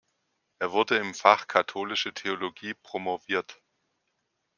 Er wurde im Fach Katholische Theologie promoviert.